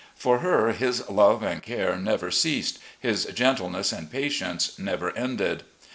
For her his love and care never ceased, his gentleness and patience never ended.